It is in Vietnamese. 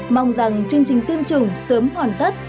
mong rằng chương trình tiêm chủng sớm hoàn tất